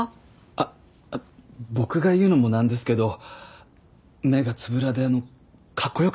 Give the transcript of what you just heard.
あっ僕が言うのもなんですけど目がつぶらでかっこよくてイケメンさんですよ。